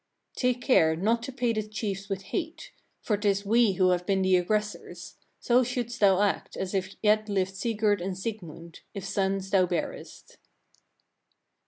28. "Take care not to pay the chiefs with hate; for 'tis we who have been the aggressors: so shouldst thou act as if yet lived Sigurd and Sigmund, if sons thou bearest."